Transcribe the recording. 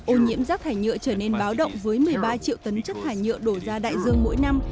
ô nhiễm rác thải nhựa trở nên báo động với một mươi ba triệu tấn chất thải nhựa đổ ra đại dương mỗi năm